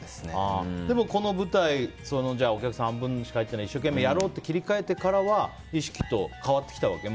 でも、この舞台お客さん半分しか入ってない一生懸命やろうと切り替えてからは意識とか変わってきたわけ？